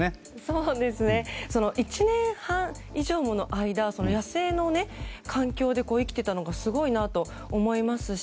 １年半もの間野生の環境で生きていたのがすごいなと思いますし。